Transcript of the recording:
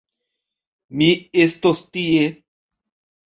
Mi estos tie.